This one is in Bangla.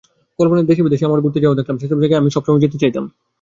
কল্পনায় দেশে-বিদেশে আমাদের ঘুরতে দেখলাম, যেসব জায়গায় আমি সবসময় যেতে চাইতাম।